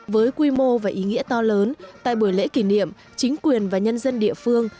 với quy mô và ý nghĩa to lớn tại buổi lễ kỷ niệm chính quyền và nhân dân địa phương